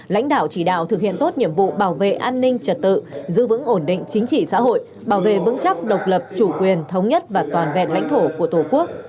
lãnh đạo chỉ đạo thực hiện tốt nhiệm vụ bảo vệ an ninh trật tự giữ vững ổn định chính trị xã hội bảo vệ vững chắc độc lập chủ quyền thống nhất và toàn vẹn lãnh thổ của tổ quốc